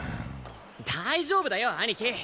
大丈夫だよ兄貴。